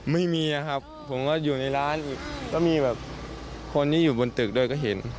ไม่มีครับผมก็อยู่ในร้านอีกก็มีแบบคนที่อยู่บนตึกด้วยก็เห็น